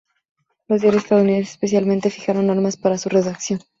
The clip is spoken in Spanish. Los diarios estadounidenses, especialmente, fijaron normas para su redacción.